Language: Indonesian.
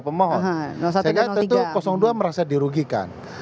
saya lihat tentu dua merasa dirugikan